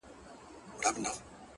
• په منډه ولاړه ویل ابتر یې,